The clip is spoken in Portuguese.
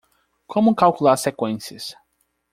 Como calcular seqüências?